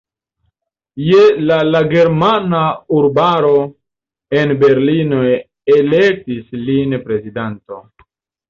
Je la la Germana Urbaro en Berlino elektis lin prezidanto.